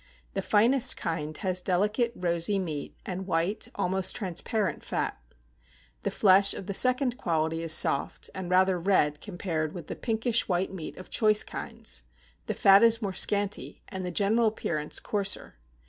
The finest kind has delicate rosy meat, and white, almost transparant fat. The flesh of the second quality is soft, and rather red compared with the pinkish white meat of choice kinds; the fat is more scanty, and the general appearance coarser.